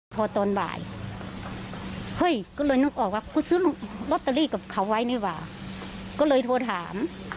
ภอตอนบ่ายเฮ้ยก็เลยนึกออกว่ากูซื้อล็อตเตอรี่กับเขาไว้เนี่ยวะ